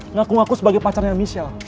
ngaku ngaku sebagai pacarnya emisial